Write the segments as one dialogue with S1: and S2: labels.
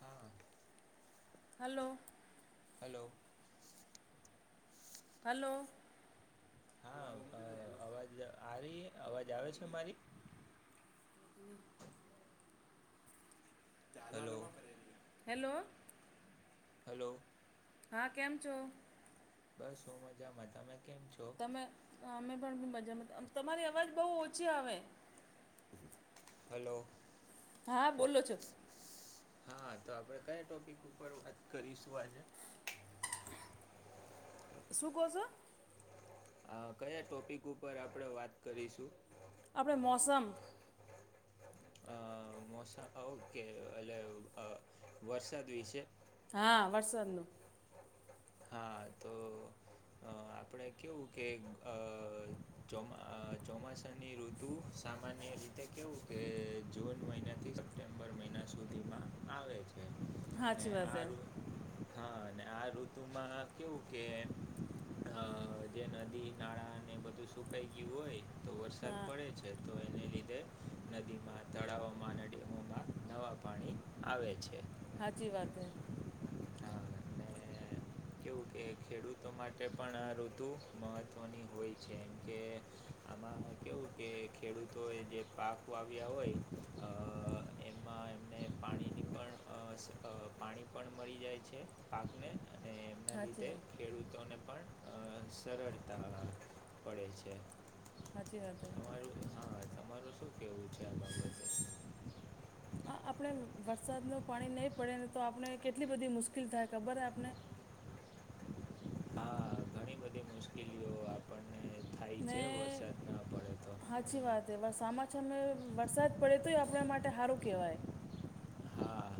S1: હા
S2: hello
S1: hello
S2: hello
S1: હા અવાજ આવી અવાજ આવે છે મારી?
S2: [inaudible]
S1: હલો
S2: [unintelligible] હેલો
S1: હલો
S2: હા કેમ છો?
S1: બસ હું [unintelligible]
S2: અમે અમે પણ બી મજામાં તમારી અવાજ બહુ ઓછી આવે.
S1: હલો
S2: હા બોલો છો.
S1: હા તો આપડે કયા ટોપિક ઉપર વાત કરીશું આજે?
S2: શું કોસો?
S1: અ કયા ટોપિક ઉપર આપણેે વાત કરીશું?
S2: આપડે મોસમ.
S1: અ મોસમ ઓકે એટલે વરસાદ વિશે,
S2: હા વરસાદનું.
S1: હા તો અ આપડે કેવું કે અ ચોમ ચોમાસાની ઋતુ સામાન્ય રીતે કેવું કે જૂન મહિનાથી સ સપ્ટેમ્બર મહિના સુધીમાં આવે છે. ને
S2: હાચી વાત છે
S1: આ
S2: હે
S1: ઋ હા અને આ ઋતુમાં કેવું કે અ જે નદી નાળાને બધું સુકાઈ ગયું હોય તો વરસાદ
S2: હા
S1: પડે છે તો એને લીધે નદીમાં, તળાવોમાં અને ડેમોમાં નવા પાણી આવે છે.
S2: હાચી વાત હે
S1: હા તેને કેવું કે ખેડૂતો માટે પણ આ ઋતુ મહત્ત્વની હોય છે એમ કે આમાં કેવું કે ખેડૂતો એ જે પાક વાવ્યા હોય અ એમાં ને પાણીની પણ અ અ પાણી પણ મળી જાય છે પાકને અને એમના
S2: સાચી
S1: લીધે
S2: વાત
S1: ખેડૂતોને પણ સરળતા પડે છે.
S2: હાચી વાત હે
S1: હા તમારું શું કેવું છે? બાબતે
S2: [inaudible] આ આપણે વરસાદનું પાણી નહીં પડે ને તો આપણે કેટલી બધી મુશ્કેલ થાય ખબર હે આપને
S1: હા ઘણી બધી મુશ્કેલીઓ આપણને થાય
S2: ને
S1: છે, વરસાદ ન પડે તો
S2: સાચી
S1: હમ.
S2: વાત એ વરસામાં મે વરસાદ પડે તો, આપણા માટે હારુ કહેવાય
S1: હા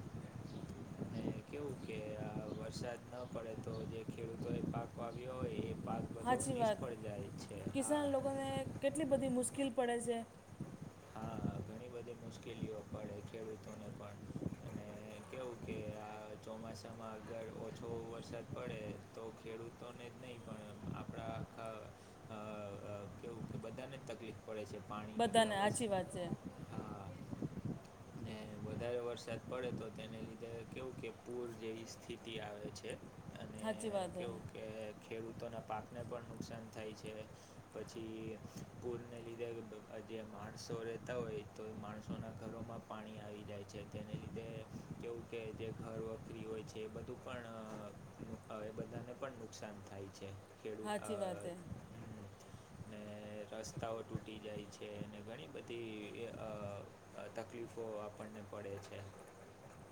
S1: ને કે કે આ વરસાદ ન પડે તો જે ખેડૂતો એ પાક વાવ્યો હોય એ પાક બધો
S2: સાચી વાત
S1: નિષ્ફળ જાય છે હા
S2: કિસાન લોકોને કેટલી બધી મુશ્કેલ પડે છે.
S1: હા
S2: [inaudible]
S1: ઘણી બધી મુશ્કેલીઓ પડે છે ખેડૂતોને પણ અને કેવું કે આ ચોમાસામાં અગર ઓછો વરસાદ પડે તો ખેડૂતોને જ નહીં. પણ આપણા આખા
S2: [inaudible]
S1: અ કેવું કે બધાને તકલીફ પડે છે, પાણીની
S2: બધાને
S1: અ
S2: હાચી વાત છે. [inaudible]
S1: ને વધારે વરસાદ પડે તો તેને લીધે કેવું કે પૂર જેવી સ્થિતિ આવે છે. અને
S2: હાચી વાત હે
S1: કેવું કે ખેડૂતોના પાકને પણ નુકસાન થાય છે. પછી પૂરને લીધે જે માણ સો રહેતા હોય તો માણસોનાં ઘરોમાં પાણી આવી જાય છે તેને લીધે કેવું કે જે ઘરે વખરી હોય છે એ બધું પણ એ બધાને પણ નુકસાન થાય છે. ને અ
S2: હાચી વાત હે
S1: ને રસ્તાઓ ટૂટી જાય છે અને ઘણી બધી અ તકલીફો આપણને પડે છે.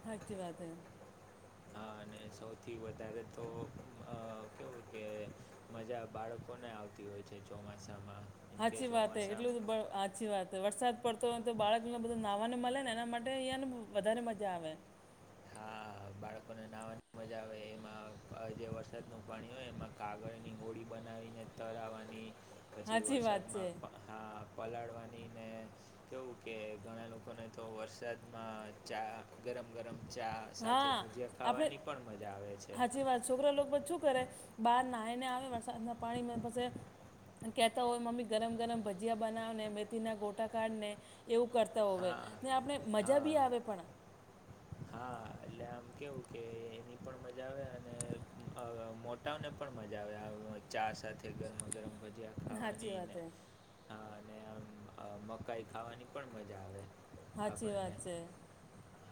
S2: સાચી વાત હે
S1: હા અને સૌથી વધારે તો અ કેવું કે મજા બાળકોને આવતી હોય છે ચોમાસામાં કેમકે
S2: સાચી વાત છે
S1: ચોમાસા
S2: એટલું અ સાચી વાત વરસાદ પડતો હોય તો બાળકને બધું નાહવા ને મળે ને એના માટે અહીંયા ને વધારે મજા આવે.
S1: હા
S2: [inaudible]
S1: બાળકોને નાહવાની મજા આવે એમાં જે વરસાદનું પાણી હોય એમાં કાગળની હોળી બનાવીને... તરાવાની પછી
S2: હાચી વાત છે
S1: વરસાદમાં હ આ પલાળવાની ને... કેવું કે ઘણા લોકોને તો વરસાદમાં ચા ગરમ-ગરમ. ચા સાથે
S2: હા
S1: ભજીયા
S2: આપણે
S1: ખાવાની પણ મજા આવે છે.
S2: હાચી વાત છોકરા લોકો બધ શું કરે બહાર નાઈ ને આવે વરસાદના પાણીમાં પછી... કહેતા હોય મમ્મી ગરમ ગરમ ભજીયા બનાવને, મેથીના ગોટા કાઢને... એવું કરતા હોવે
S1: હા
S2: ને આપણે મજા
S1: હા
S2: બી આવે પણ.
S1: હા એટલે આમ કેવું કે એની પણ મજા આવે અને અ મોટાને પણ મજા આવે. ચા સાથે ગરમા-ગરમ ભજ્યા...
S2: હાચી વાત છે.
S1: હા, અને આમ મકાઈ ખાવાની પણ મજા આવે.
S2: સાચી
S1: આપણને
S2: વાત છે.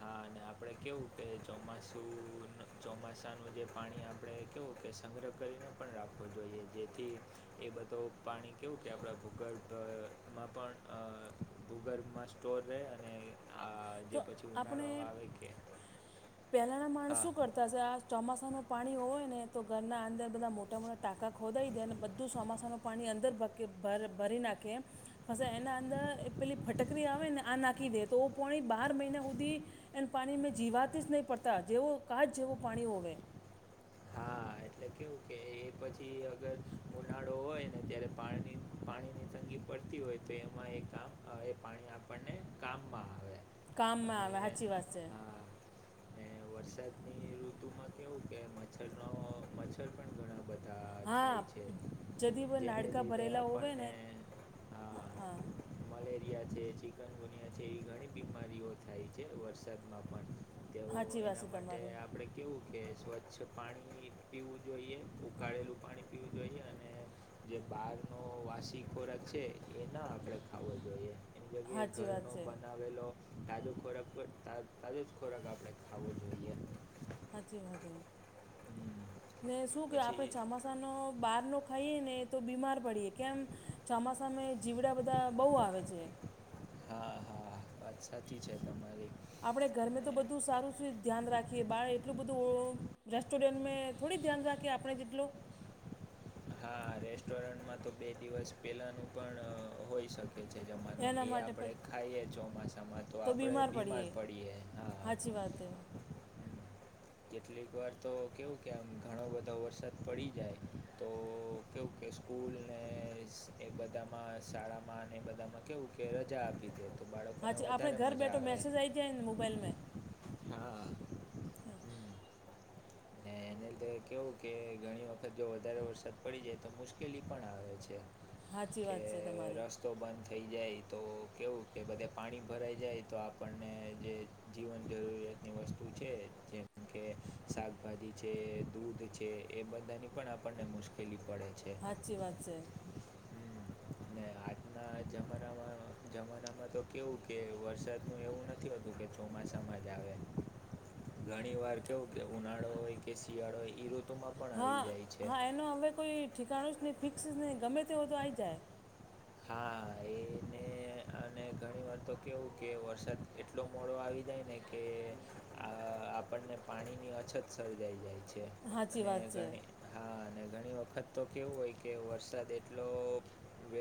S1: હા અને આપણે કેવું કે ચોમાસું ચોમાસાનું જે પાણી આપણે કેવું કે સંગ્રહ કરીને... પણ રાખવો જોઈએ. જેથી... એ બધું પાણી કેવું કે આપણા ભૂગર્ભમાં પણ અ... ભૂગર્ભ માં સ્ટોર રે અને આ
S2: તો
S1: જે પછી હું...
S2: આપણે, પહેલાના
S1: હા
S2: માણસું કર તા ચોમાસાનું પાણી હોય ને તો ઘરના અંદર બધા મોટા-મોટા ટાકા ખોદી દે અને બધું ચોમાસાનું... પાણી અંદર ભર ભરી નાખે.... પછી એના અંદર પેલી ફટકરી આવે ને આ નાખી દે તો પોણી... બાર મહિના સુધી એને પાણી મેં જીવાતી જ નહીં પડતા જેવો કાચ જેવું પાણી હોવે.
S1: હા
S2: [inaudible]
S1: એટલે કેવું કે એ પછી અગર ઉનાળો હોય ને ત્યારે પાણી, પાણીની તંગી... પડતી હોય તો એમાં એ કામ એ પાણી આપણને કામમાં આવે.
S2: કામમાં આવે સાચી વાત છે.
S1: હા અને વરસાદની ઋતુમાં કેવું કે મચ્છર ને મચ્છર પણ ઘણા... બધા
S2: હા,
S1: થાય છે
S2: જદી વે
S1: જેને
S2: નાણકા
S1: લીધે
S2: ભરેલા હોવે ને?
S1: આપણને
S2: હા.
S1: મલેરિયા છે ચિકન ગુનિયા છે એવી ઘણી બીમારીઓ થાય છે. વરસાદમાં પણ...
S2: હાચી વાત છે, તમારી.
S1: એટલે આપણે કેવું કે સ્વચ્છ પાણી પીવું જોઈએ, ઉકાળેલું પાણી પીવું જોઈએ અને... જે બહાર નો વાસી ખોરાક છે એ ના આપણે ખાવો જોઈએ.
S2: સાચી વાત
S1: ઘરનો
S2: છે
S1: બનાવેલો... તાજો ખોરાક પર તાજો જ ખોરાક આપણેે ખાવો જોઈએ.
S2: સાાચી વાત ને શું કે
S1: પછી
S2: આપણે ચોમાસ નો બહારનો ખાઈએ ને તો બીમાર પડીએ કેમ? ચોમાસામે જીવડા બધા બહુ આવે છે.
S1: હા, હા વાત સાચી છે, તમારી.
S2: આપણે ઘરમે તો
S1: અને
S2: બધું સારું છે, ધ્યાન રાખીએ બાર એટલું બધું... રેસ્ટોરન્ટ મેં થોડી ધ્યાન રાખી આપણે જેટલો...
S1: હા, રેસ્ટોરન્ટમાં તો બે દિવસ પહેલાનું પણ હોય શકે. જમાનું
S2: એના
S1: એ
S2: માટે પ
S1: આપડે ખાઈએ ચોમાસામાં તો આપડે બીમાર પડીએે, હા.
S2: રાતે
S1: કેટલીક વાર તો કેવું કે આમ ઘણો બધો વરસાદ પડી જાય તો કેવું કે સ્કૂલને એ બધામાં શાળામાં અને એ બધામાં કેવું કે રજા આપી દે. બાળકોને
S2: હાચી આપણે
S1: વધારે
S2: ઘર
S1: મજા
S2: બેઠો
S1: આવે
S2: મેસેજ આવી જાય ને મોબાઈલમાં
S1: હા. હમ ને એને લીધે કેવું કે ઘણી વખત જો વધારે વરસાદ પડી જાય તો મુશ્કેલી પણ આવે છે.
S2: સાચી વાત છે તમારી.
S1: તો બંધ થઈ જાય તો કેવું કે બધે પાણી ભરાઈ જાય તો આપણને જે જીવન જરૂરિયાતની વસ્તુ છે જેમ કે શા શાકભાજી છે, દૂધ છે એ બધાની પણ આપણને મુશ્કેલી પડે છે.
S2: હાચી વાત છે.
S1: ને આજના જમાનામાં જમાનામાં તો કેવું કે વરસાદ ન એવું નથી હોતું કે ચોમાસામાં જ આવે ઘણી વાર કેવું કે ઉનાળો હોય કે શિયાળો હોય તો
S2: હા, હા એનો હવે કોઈ ઠેકાણું જ નહીં ફિક્સ જ નહીં ગમે તેવ તો આવી જાય.
S1: હા એ મે અને ઘણી વાર તો કેવું કે વરસાદ એટલો મોડો આવી જાય ને કે આ આપણને પાણીની અછત સર્જાઈ જાય છે
S2: સાચી
S1: અને
S2: વાત છે
S1: ઘણી હા અને ઘણી વખત તો હોય કે વરસાદ એટલો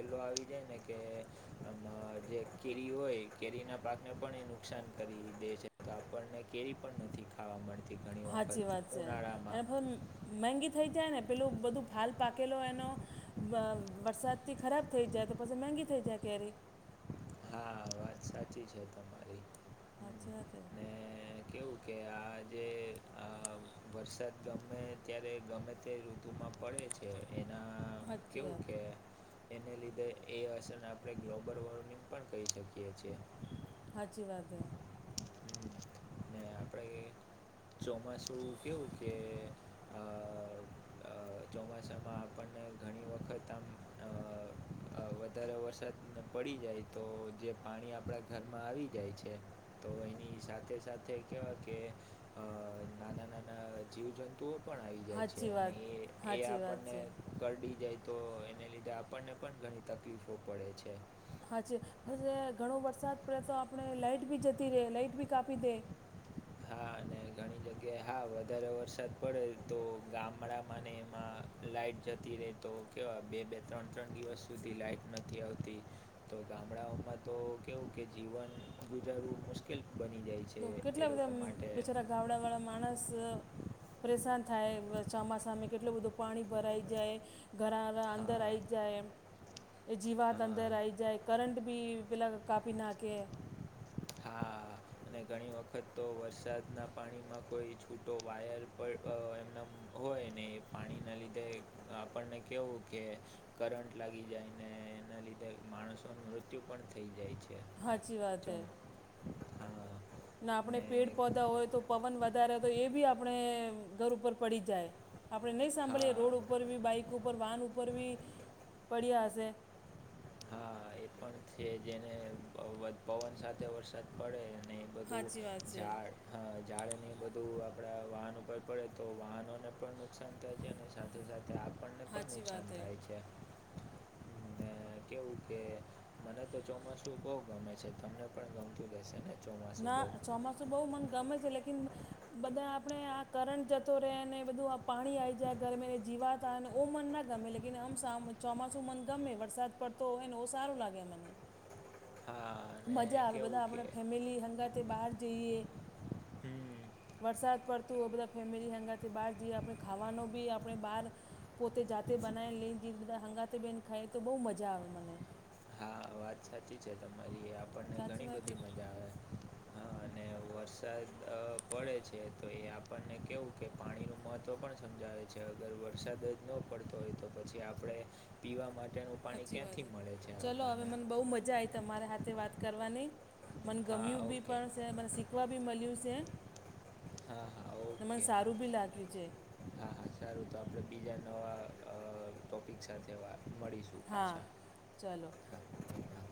S1: લો આવી જાય ને કે? અમ જે કેરી હોય કેરી ના પાકને પણ એ નુકસાન કરી દે છે. તો આપણને કેરી પણ ખાવા નથી મળતી ઘણી વખત ઉનાળામાં
S2: મેંગી થઈ જાય ને પેલું બધું ફાલ પાકેલો એનો અ વરસાદથી ખરાબ થઈ જાય તો પછી મોંઘી થઈ જાય કેરી.
S1: હા, વાત સાચી છે તમારી. હમ
S2: અચ્છા.
S1: ને કેવું કે આ જે આ વરસાદ ગમે ત્યારે ગમે તે ઋતુમાં પડે છે એના કેવું કે એને લીધે એ અસર આપણે ગ્લોબલ વોર્મિંગ પણ કરી શકીએ છીએ
S2: સાચી વાત
S1: [inaudible]
S2: [unintelligible]
S1: ચોમાસું કેવું કે અ
S2: હા.
S1: અ ચોમાસામાં આપણને ઘણી વખત આમ અ વધારે વરસાદ ને પડી જાય તો જે પાણી આપણા ઘરમાં આવી જાય છે. તો એની સાથે સાથે કેવાય કે અ નાના નાના જીવ જંતુ તુઓ પણ આવી જાય છે
S2: સાચી
S1: અને
S2: વાત હે
S1: એ એ
S2: સાચી વાત સાચી વાત
S1: આપણને
S2: છે
S1: કરડી જાય તો એને લીધે આપણને પણ ઘણી તકલીફો પડે છે.
S2: હા છે પછે ઘણો વરસાદ પડે તો આપણે બી જતી રહે લાઈટ બી કાપી દે
S1: હા અને
S2: [inaudible]
S1: ઘણી જગ્યાએ હા વધારે વરસાદ પડે તો ગામડામાંને એમાં લાઈટ જતી રે તો કેવા કે બે બે ત્રણ ત્રણ સુધી લાઈટ નથી આવતી તો ગામડાઓમાં તો કેવું કે જીવન ગુજારવું મુશ્કેલ બની જાય છે. જે એ લોકો માટે
S2: હમ્મ બિચારા ગાવડા વાળા માણસ અ પરેશાન થાય ચોમાસામે કેટલું બધું પાણી ભરાઈ જાય. ઘરારા અંદર
S1: હા
S2: આયી જાય એ જીવાત
S1: હા
S2: અંદર આયી જાય કરંટ બી પેલા કાપી ના કે,
S1: [inaudible] હા
S2: [inaudible]
S1: અને ઘણી વખત તો વરસાદના પાણીમાં કોઈ છૂટો વાયર [unintelligible] એમના હોય ને એ પાણી ના લીધે આપણન કેવું કે, કરંટ લાગી જાય ને એના લીધે માણસોનું મૃત્યુ પણ થઈ જાય છે.
S2: હાચી વાત
S1: ચોમ
S2: હૈ.
S1: હા
S2: ના આપણે
S1: ને
S2: પેડ પૌધા હોય તો પવન વધારે તો એ આપણે ઘર ઉપર પડી જાય. આપણે નહીં
S1: હા
S2: સાંભળીએ રોડ ઉપર બી બાઈક ઉપર વાહન ઉપર બી પડ્યા હશે.
S1: હા એ પણ છે જેને પવન સાથે વરસાદ પડે અને બધું
S2: સાચી વાત છે
S1: ઝાડ. હા જાડ ને બધું આપડા વાહન ઉપર પડે તો વાહનોને પણ નુકસાન થ છે ને, સાથે સાથે આપણને પણ
S2: સાચી
S1: નુકસાન
S2: વાત હે
S1: થાય છે. ને કેવું કે મને તો ચોમાસું બઉ ગમે છે, તમને પણ ગમતું હશે ને, ચોમાસું બહુ
S2: ના ચોમાં બઉ મન ગમે છે લેકીન બધા આપે આ કરંટ જતો રે ને બધું. પાણી આઈ જાય ઘરમે ને જીવાત, ઓ મન ના ગમે લે આમ ચોમાસું મન ગમે વરસાદ પડતો હોય ને ઓ સારું લાગે મને,
S1: હા અને
S2: મજા આવે બધા
S1: કેવું કે
S2: આપણે ફેમિલી હંગાંઠે બહાર જઈએ.
S1: હમ
S2: વરસાદ પડત હો બધા ફેમિલી હંગારથી બહાર જઈએ આપણે ખાવાનો બી આપણે બહાર. પોતે જાતે બનાવીને લઈને જીત બધા હંગાતે બેહેન ખાય તો બહુ મજા આવે મને,
S1: હા વાત સાચી છે, તમારી એ આપણને
S2: સાચી
S1: ઘણી
S2: વાત
S1: બધી
S2: કે
S1: મજા આવે. હા અને
S2: [inaudible]
S1: વરસાદ અ પડે છે, તો એ આપણને કેવું કે પાણીનું મહત્ત્વ પણ સમજાવે. જે અગર વરસાદ જ ન પડતો હોય તો પછી આપડે. પીવા માટેનું પાણી
S2: સાચી વાત
S1: ક્યાંથી
S2: હે
S1: મળે છે
S2: ચલો હવે
S1: આપણને,
S2: મને બહુ મજા આવી તમારે હાથે વાત કરવાની. મન
S1: હા
S2: ગમ્યું બી
S1: ઓકે
S2: પણ છે મને શીખવા બી મળ્યું
S1: હા હા
S2: છે
S1: ઓકે
S2: સારુ. લાગ્યું છે.
S1: હા હા સારું તો આપણે બીજા નવા ટોપિક સાથે મળીશું.
S2: હા
S1: પાછા
S2: ચલો.
S1: હા હા